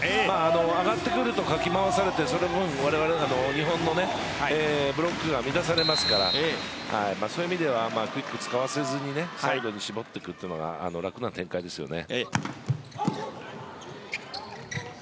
上がってくると、かき回されて日本のブロックが乱されますからそういう意味ではクイックを使わせずにサイドに絞ってくるのが楽な展開ですよね。